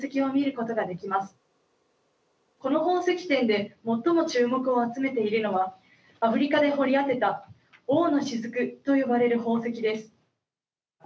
この宝石展で最も注目を集めているのはアフリカで掘り当てた王のしずくと呼ばれる宝石です。